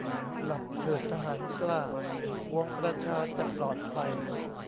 หลับเถิดทหารกล้า ปวงประชาจะปลอดภัย